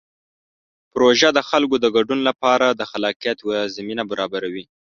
پروژه د خلکو د ګډون لپاره د خلاقیت یوه زمینه برابروي.